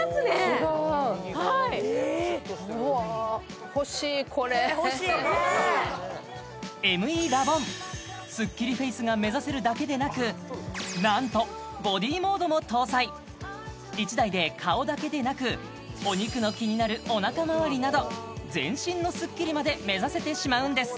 違うＭＥラボンスッキリフェイスが目指せるだけでなくなんとＢＯＤＹモードも搭載１台で顔だけでなくお肉の気になるおなかまわりなど全身のスッキリまで目指せてしまうんです